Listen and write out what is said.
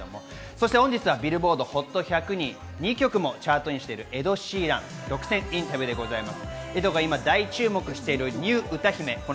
本日はビルボードＨＯＴ１００に２曲もチャートインしているエド・シーランの独占インタビューです。